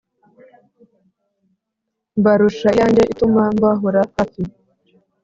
Mbarusha iyanjye ituma mbahora hafi: